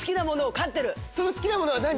その好きなものは何？